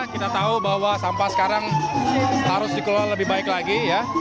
kita tahu bahwa sampah sekarang harus dikelola lebih baik lagi